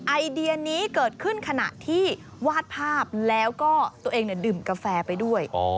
ไอเดียนี้เกิดขึ้นขณะที่วาดภาพแล้วก็ตัวเองดื่มกาแฟไปด้วย